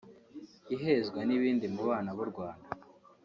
ihezwa n’ibindi mu bana b’u Rwanda